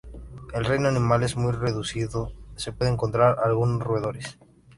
El reino animal es muy reducido, se pueden encontrar algunos roedores.